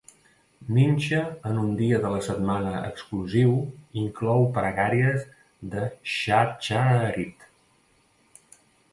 Mincha en un dia de la setmana exclusiu inclou pregàries de Shacharit.